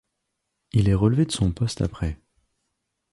Il est relevé de son poste après.